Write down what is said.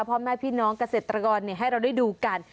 พ่อแม่พี่น้องเกษตรกรให้เราได้ดูกัน